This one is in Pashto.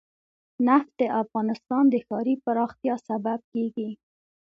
نفت د افغانستان د ښاري پراختیا سبب کېږي.